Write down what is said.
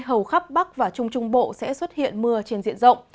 hầu khắp bắc và trung trung bộ sẽ xuất hiện mưa trên diện rộng